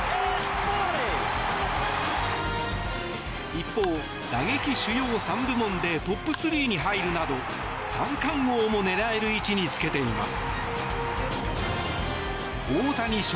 一方、打撃主要３部門でトップ３に入るなど三冠王も狙える位置につけています。